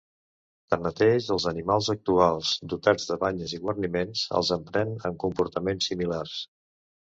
Tanmateix, els animals actuals dotats de banyes i guarniments els empren en comportaments similars.